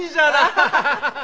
アハハハ。